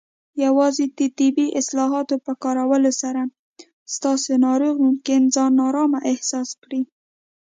یوازې د طبي اصطلاحاتو په کارولو سره، ستاسو ناروغ ممکن ځان نارامه احساس کړي.